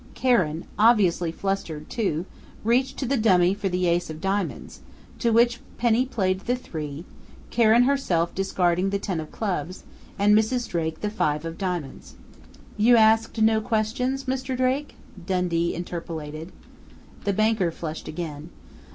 Karen, obviously flustered, too, reached to the dummy for the Ace of Diamonds, to which Penny played the three, Karen herself discarding the ten of Clubs, and Mrs. Drake the five of Diamonds. "You asked no questions, Mr. Drake?" Dundee interpolated. The banker flushed again.